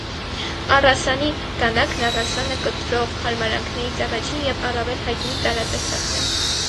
Առասանի դանակն առասանը կտրող հարմարանքներից առաջին և առավել հայտնի տարատեսակն է։